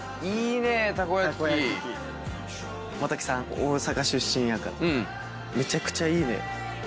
大阪出身やからめちゃくちゃいいね。